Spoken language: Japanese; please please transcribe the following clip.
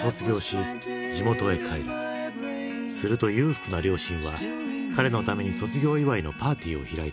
すると裕福な両親は彼のために卒業祝いのパーティーを開いていた。